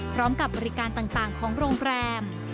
พร้อมกับบริการต่างของโรงแรม